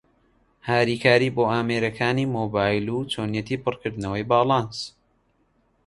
هاریکارى بۆ ئامێرەکانى مۆبایل و چۆنیەتى پڕکردنەوەى باڵانس